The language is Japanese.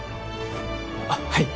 あっはい！